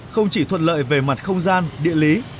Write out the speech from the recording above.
không chỉ thuận lợi về mặt không gian địa lý